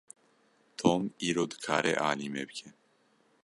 Tom îro dikare alî me bike.